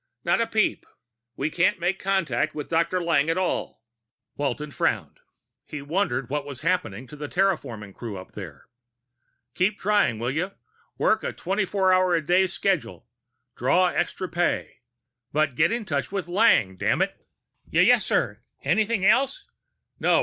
"Not a peep. We can't make contact with Dr. Lang at all." Walton frowned. He wondered what was happening to the terraforming crew up there. "Keep trying, will you? Work a twenty four hour a day schedule. Draw extra pay. But get in touch with Lang, dammit!" "Y yes, sir. Anything else?" "No.